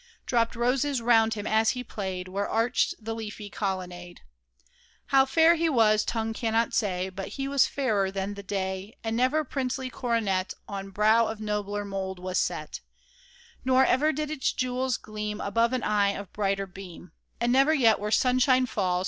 Dropped roses round him as he played Where arched the leafy colonnade. How fair he was tongue cannot say, But he was fairer than the day ; And never princely coronet On brow of nobler mould was set ; Nor ever did its jewels gleam Above an eye of brighter beam ; And never yet where sunshine falls.